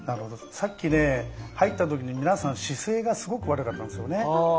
さっきね入った時に皆さん姿勢がすごく悪かったんですよね。